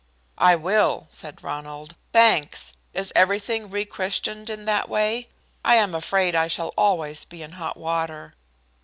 "I will," said Ronald. "Thanks. Is everything rechristened in that way? I am afraid I shall always be in hot water."